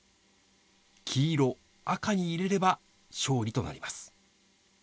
黄色、赤に入れれば勝利となります。